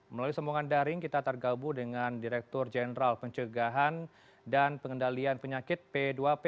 melalui sambungan daring kita tergabung dengan direktur jenderal pencegahan dan pengendalian penyakit p dua p